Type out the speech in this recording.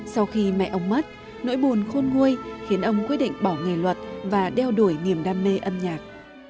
sau khi mẹ ông mất nỗi buồn khôn nguôi khiến ông quyết định bỏ nghề luật và đeo đuổi niềm đam mê âm nhạc